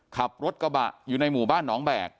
ขับรถกระบะอยู่ในหมู่บ้านหนองแบก